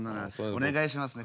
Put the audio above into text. お願いしますね